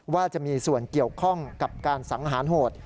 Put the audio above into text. ว่าจะมีส่วนเกี่ยวข้องกับการสังหารโหด